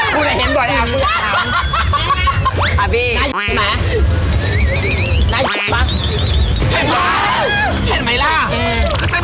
กูแต่เห็นบ่อยอะไรก็อยากถาม